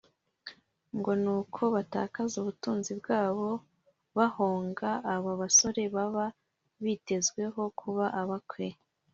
ngo nuko batakaza ubutunzi bwabo bahonga aba basore baba bitezweho kuba abakwe